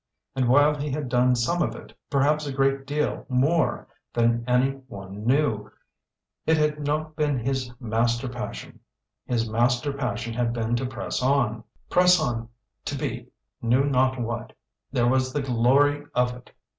And while he had done some of it, perhaps a great deal more than any one knew, it had not been his master passion. His master passion had been to press on press on to be knew not what there was the glory of it!